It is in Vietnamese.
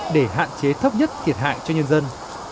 để hạn chế thấp nhất thiệt hại cho nhân dân